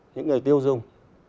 những người tiêu dùng